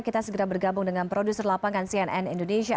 kita segera bergabung dengan produser lapangan cnn indonesia